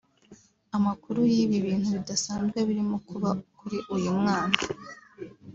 Amakuru y’ibi bintu bidasanzwe birimo kuba kuri uyu mwana